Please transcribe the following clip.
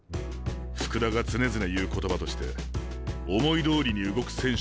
福田が常々言う言葉として「思いどおりに動く選手など要らない。